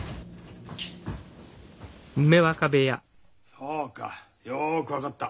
そうかよく分かった。